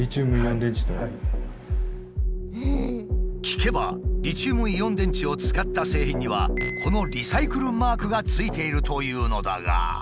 聞けばリチウムイオン電池を使った製品にはこのリサイクルマークがついているというのだが。